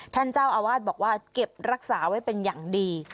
ท่านเจ้าอาวาสบอกว่าเก็บรักษาไว้เป็นอย่างดี